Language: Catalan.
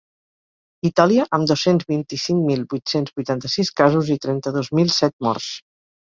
Itàlia, amb dos-cents vint-i-cinc mil vuit-cents vuitanta-sis casos i trenta-dos mil set morts.